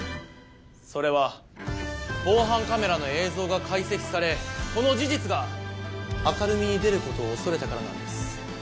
それは防犯カメラの映像が解析されこの事実が明るみに出る事を恐れたからなんです。